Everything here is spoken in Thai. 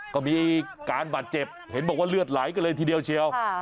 ก็มีการบาดเจ็บเห็นบอกว่าเลือดไหลกันเลยทีเดียวเชียว